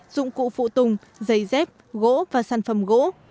dụng cụ phụ tùng giày dép gỗ và sản phẩm gỗ